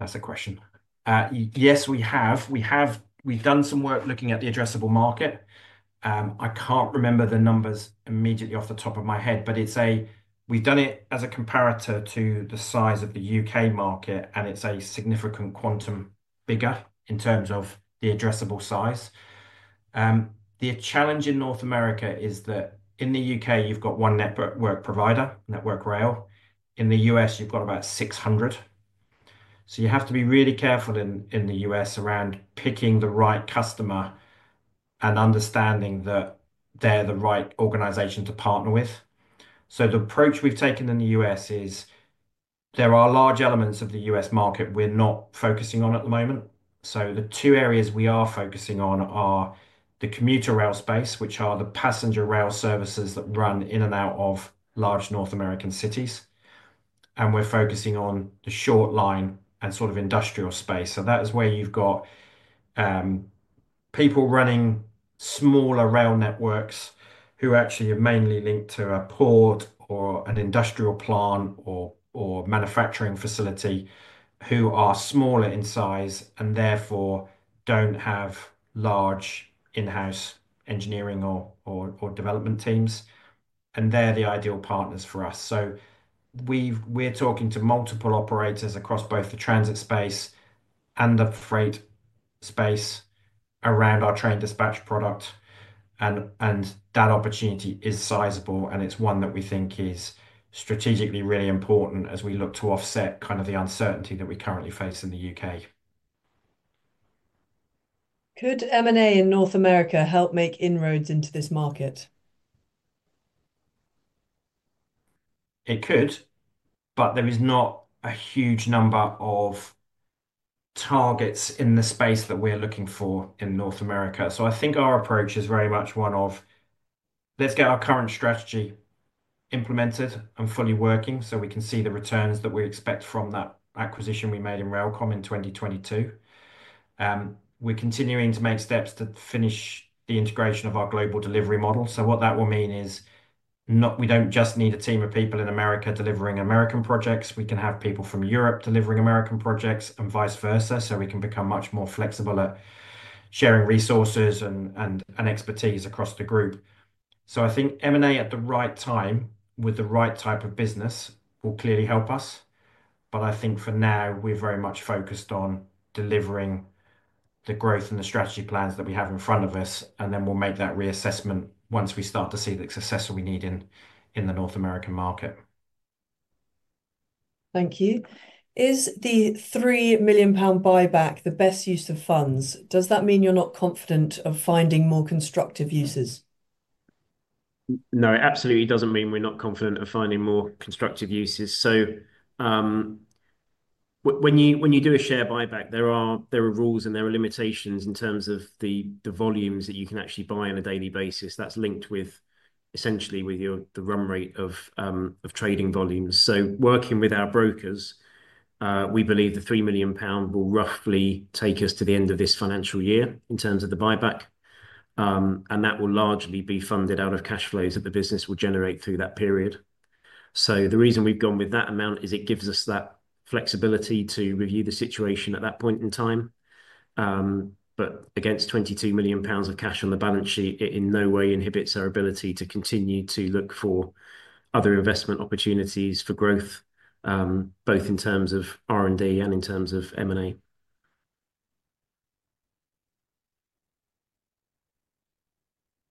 That's a question. Yes, we have. We've done some work looking at the addressable market. I can't remember the numbers immediately off the top of my head, but we've done it as a comparator to the size of the U.K. market, and it's a significant quantum bigger in terms of the addressable size. The challenge in North America is that in the U.K., you've got one network provider, Network Rail. In the U.S., you've got about 600. You have to be really careful in the U.S. around picking the right customer and understanding that they're the right organization to partner with. The approach we've taken in the U.S. is there are large elements of the U.S. market we're not focusing on at the moment. The two areas we are focusing on are the commuter rail space, which are the passenger rail services that run in and out of large North American cities. We're focusing on the short line and sort of industrial space. That is where you've got people running smaller rail networks who actually are mainly linked to a port or an industrial plant or manufacturing facility who are smaller in size and therefore don't have large in-house engineering or development teams. They're the ideal partners for us. We're talking to multiple operators across both the transit space and the freight space around our train dispatch product. That opportunity is sizable, and it's one that we think is strategically really important as we look to offset kind of the uncertainty that we currently face in the U.K. Could M&A in North America help make inroads into this market? It could, but there is not a huge number of targets in the space that we're looking for in North America. I think our approach is very much one of, let's get our current strategy implemented and fully working so we can see the returns that we expect from that acquisition we made in RailComm in 2022. We're continuing to make steps to finish the integration of our global delivery model. What that will mean is we don't just need a team of people in America delivering American projects. We can have people from Europe delivering American projects and vice versa. We can become much more flexible at sharing resources and expertise across the group. I think M&A at the right time with the right type of business will clearly help us. I think for now, we're very much focused on delivering the growth and the strategy plans that we have in front of us. We will make that reassessment once we start to see the success we need in the North American market. Thank you. Is the 3 million pound buyback the best use of funds? Does that mean you're not confident of finding more constructive uses? No, it absolutely does not mean we're not confident of finding more constructive uses. When you do a share buyback, there are rules and there are limitations in terms of the volumes that you can actually buy on a daily basis that is linked essentially with the run rate of trading volumes. Working with our brokers, we believe the 3 million pound will roughly take us to the end of this financial year in terms of the buyback. That will largely be funded out of cash flows that the business will generate through that period. The reason we've gone with that amount is it gives us that flexibility to review the situation at that point in time. Against 22 million pounds of cash on the balance sheet, it in no way inhibits our ability to continue to look for other investment opportunities for growth, both in terms of R&D and in terms of M&A.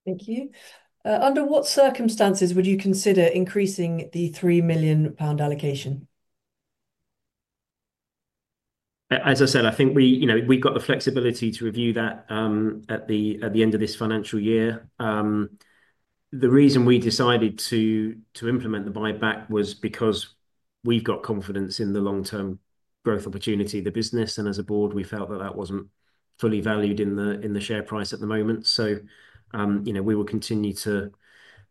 Thank you. Under what circumstances would you consider increasing the 3 million pound allocation? As I said, I think we've got the flexibility to review that at the end of this financial year. The reason we decided to implement the buyback was because we've got confidence in the long-term growth opportunity of the business. As a board, we felt that that was not fully valued in the share price at the moment. We will continue to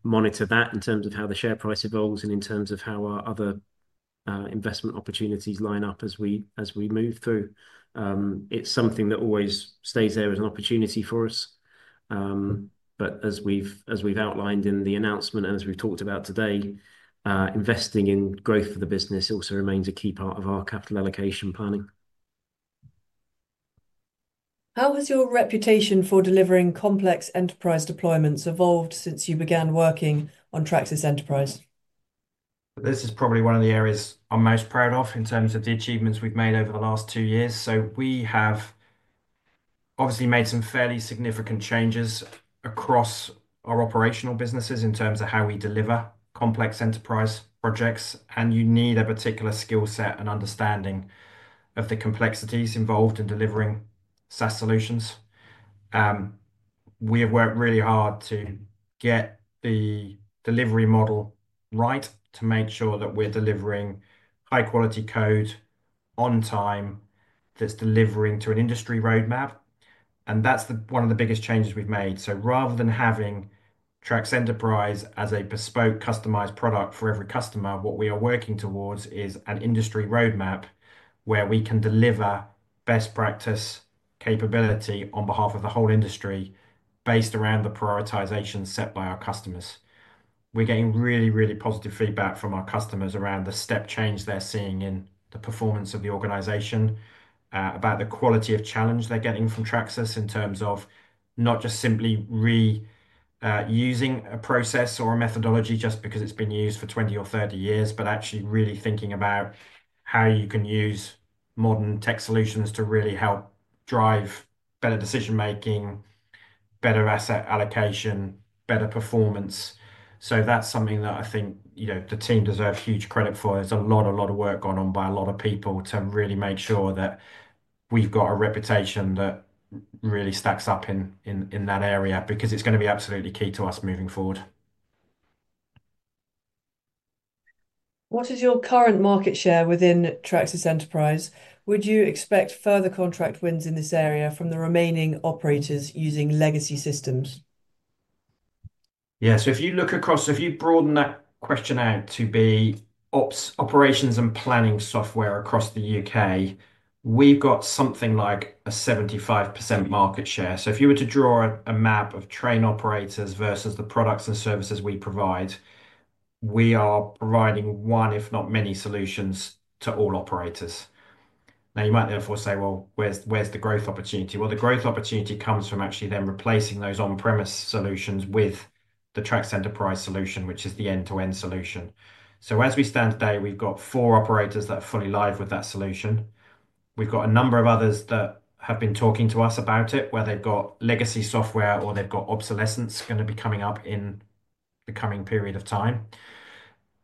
monitor that in terms of how the share price evolves and in terms of how our other investment opportunities line up as we move through. It's something that always stays there as an opportunity for us. As we've outlined in the announcement and as we've talked about today, investing in growth for the business also remains a key part of our capital allocation planning. How has your reputation for delivering complex enterprise deployments evolved since you began working on TRACS Enterprise? This is probably one of the areas I'm most proud of in terms of the achievements we've made over the last two years. We have obviously made some fairly significant changes across our operational businesses in terms of how we deliver complex enterprise projects. You need a particular skill set and understanding of the complexities involved in delivering SaaS solutions. We have worked really hard to get the delivery model right to make sure that we're delivering high-quality code on time that's delivering to an industry roadmap. That is one of the biggest changes we've made. Rather than having TRACS Enterprise as a bespoke customized product for every customer, what we are working towards is an industry roadmap where we can deliver best practice capability on behalf of the whole industry based around the prioritization set by our customers. We're getting really, really positive feedback from our customers around the step change they're seeing in the performance of the organization, about the quality of challenge they're getting from Tracsis in terms of not just simply reusing a process or a methodology just because it's been used for 20 or 30 years, but actually really thinking about how you can use modern tech solutions to really help drive better decision-making, better asset allocation, better performance. That is something that I think the team deserve huge credit for. There's a lot, a lot of work going on by a lot of people to really make sure that we've got a reputation that really stacks up in that area because it's going to be absolutely key to us moving forward. What is your current market share within TRACS Enterprise? Would you expect further contract wins in this area from the remaining operators using legacy systems? Yeah. If you look across, if you broaden that question out to be operations and planning software across the U.K., we've got something like a 75% market share. If you were to draw a map of train operators versus the products and services we provide, we are providing one, if not many solutions to all operators. Now, you might therefore say, where's the growth opportunity? The growth opportunity comes from actually then replacing those on-premise solutions with the TRACS Enterprise solution, which is the end-to-end solution. As we stand today, we've got four operators that are fully live with that solution. We've got a number of others that have been talking to us about it, where they've got legacy software or they've got obsolescence going to be coming up in the coming period of time.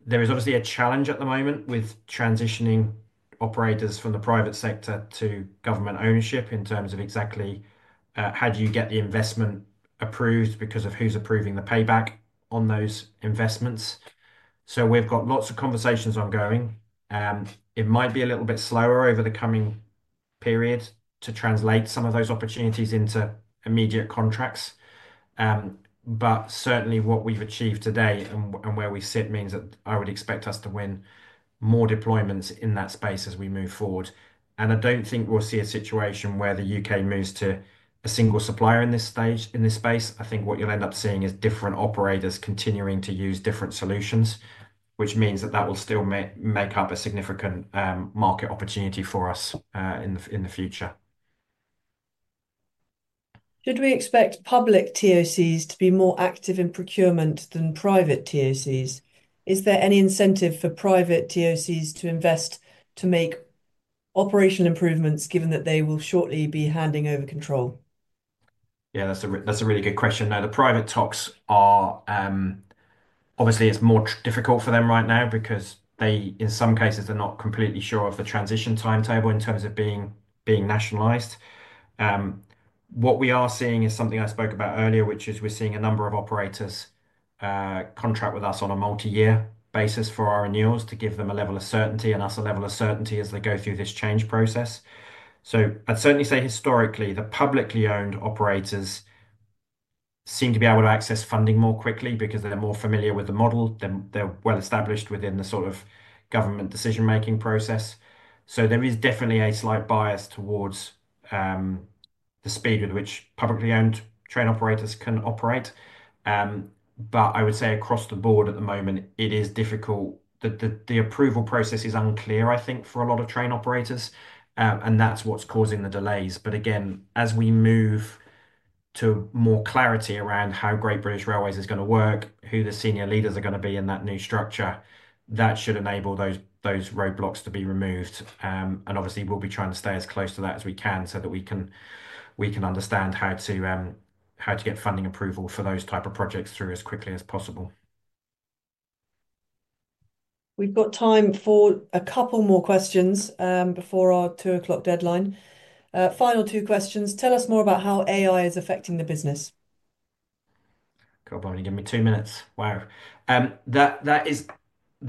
There is obviously a challenge at the moment with transitioning operators from the private sector to government ownership in terms of exactly how do you get the investment approved because of who's approving the payback on those investments. We've got lots of conversations ongoing. It might be a little bit slower over the coming period to translate some of those opportunities into immediate contracts. Certainly, what we've achieved today and where we sit means that I would expect us to win more deployments in that space as we move forward. I don't think we'll see a situation where the U.K. moves to a single supplier in this space. I think what you'll end up seeing is different operators continuing to use different solutions, which means that that will still make up a significant market opportunity for us in the future. Should we expect public TOCs to be more active in procurement than private TOCs? Is there any incentive for private TOCs to invest to make operational improvements given that they will shortly be handing over control? Yeah, that's a really good question. Now, the private TOCs are obviously more difficult for them right now because they, in some cases, are not completely sure of the transition timetable in terms of being nationalized. What we are seeing is something I spoke about earlier, which is we're seeing a number of operators contract with us on a multi-year basis for our renewals to give them a level of certainty and us a level of certainty as they go through this change process. I'd certainly say historically, the publicly owned operators seem to be able to access funding more quickly because they're more familiar with the model. They're well established within the sort of government decision-making process. There is definitely a slight bias towards the speed with which publicly owned train operators can operate. I would say across the board at the moment, it is difficult. The approval process is unclear, I think, for a lot of train operators. That's what's causing the delays. As we move to more clarity around how Great British Railways is going to work, who the senior leaders are going to be in that new structure, that should enable those roadblocks to be removed. Obviously, we'll be trying to stay as close to that as we can so that we can understand how to get funding approval for those types of projects through as quickly as possible. We've got time for a couple more questions before our 2:00 P.M. deadline. Final two questions. Tell us more about how AI is affecting the business. Give me two minutes. Wow. That is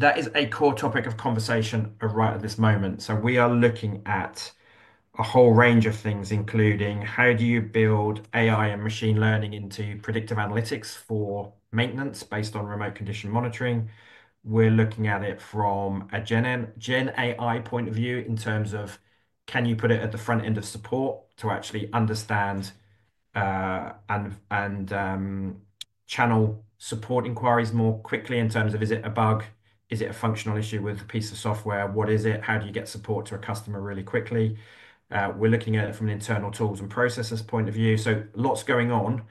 a core topic of conversation right at this moment. We are looking at a whole range of things, including how do you build AI and machine learning into predictive analytics for maintenance based on remote condition monitoring. We're looking at it from a GenAI point of view in terms of can you put it at the front end of support to actually understand and channel support inquiries more quickly in terms of is it a bug? Is it a functional issue with a piece of software? What is it? How do you get support to a customer really quickly? We're looking at it from an internal tools and processes point of view. Lots going on.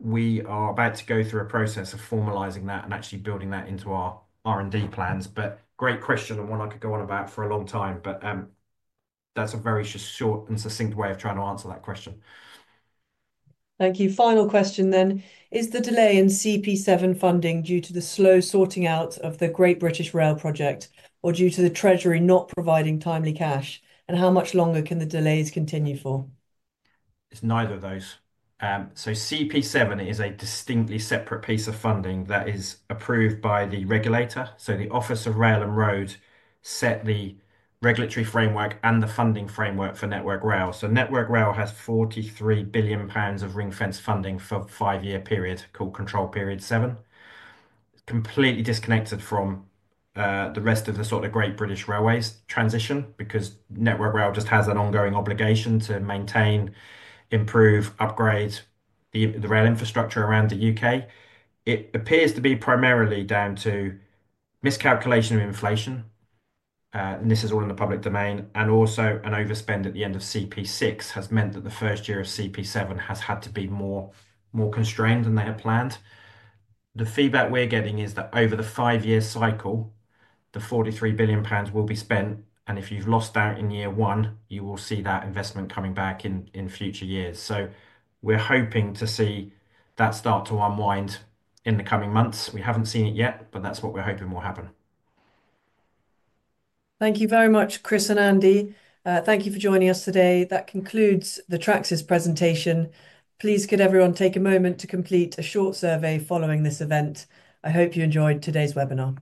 We are about to go through a process of formalizing that and actually building that into our R&D plans. Great question and one I could go on about for a long time. That's a very short and succinct way of trying to answer that question. Thank you. Final question then. Is the delay in CP7 funding due to the slow sorting out of the Great British Railways project or due to the Treasury not providing timely cash? How much longer can the delays continue for? It's neither of those. CP7 is a distinctly separate piece of funding that is approved by the regulator. The Office of Rail and Road sets the regulatory framework and the funding framework for Network Rail. Network Rail has 43 billion pounds of ring-fenced funding for a five-year period called Control Period 7. It is completely disconnected from the rest of the sort of Great British Railways transition because Network Rail just has an ongoing obligation to maintain, improve, upgrade the rail infrastructure around the U.K. It appears to be primarily down to miscalculation of inflation. This is all in the public domain. Also, an overspend at the end of CP6 has meant that the first year of CP7 has had to be more constrained than they had planned. The feedback we are getting is that over the five-year cycle, the 43 billion pounds will be spent. If you have lost out in year one, you will see that investment coming back in future years. We are hoping to see that start to unwind in the coming months. We have not seen it yet, but that is what we are hoping will happen. Thank you very much, Chris and Andy. Thank you for joining us today. That concludes the Tracsis presentation. Please could everyone take a moment to complete a short survey following this event. I hope you enjoyed today's webinar.